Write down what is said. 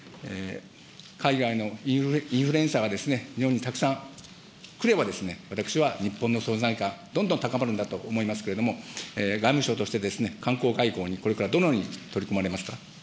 海外のインフルエンサーが日本にたくさん来れば、私は日本の存在感どんどん高まるんだと思いますけれども、外務省として、観光外交にこれからどのように取り組まれますか。